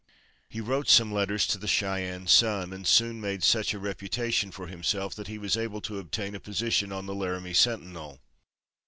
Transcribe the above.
He wrote some letters to the Cheyenne Sun, and soon made such a reputation for himself that he was able to obtain a position on the Laramie Sentinel.